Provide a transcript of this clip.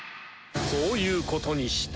そういうことにした。